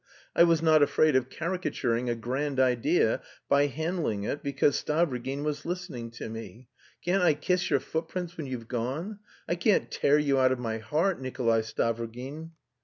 I was not afraid of caricaturing a grand idea by handling it because Stavrogin was listening to me.... Shan't I kiss your footprints when you've gone? I can't tear you out of my heart, Nikolay Stavrogin!"